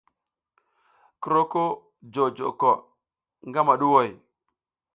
Ki roko jojo ko gamaɗuʼhoy?